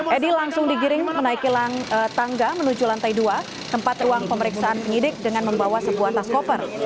edi langsung digiring menaiki lang tangga menuju lantai dua tempat ruang pemeriksaan penyidik dengan membawa sebuah tas koper